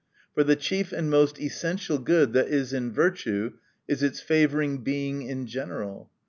For the chief and most essential good that is in virtue, is its 0 favoring Being in general.